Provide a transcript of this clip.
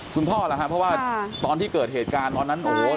คุณพ่อหรอคะเพราะว่าตอนที่เกิดเหตุการณ์เห็นตอนนั้นโอ้โห